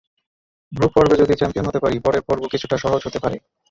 Group পর্বে যদি champion হতে পারি, পরের পর্ব কিছুটা সহজ হতে পারে।